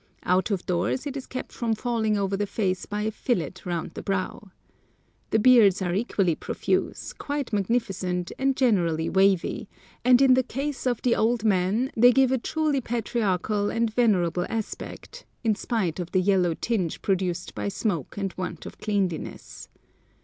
Out of doors it is kept from falling over the face by a fillet round the brow. The beards are equally profuse, quite magnificent, and generally wavy, and in the case of the old men they give a truly patriarchal and venerable aspect, in spite of the yellow tinge produced by smoke and want of cleanliness.